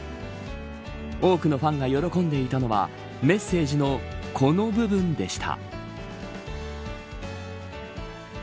多くのファンが喜んでいたのはメッセージのこの部分でした。